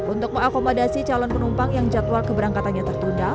untuk mengakomodasi calon penumpang yang jadwal keberangkatannya tertunda